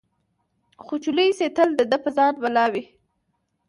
خو چي لوی سي تل د ده په ځان بلاوي